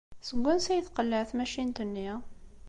Seg wansi ay tqelleɛ tmacint-nni?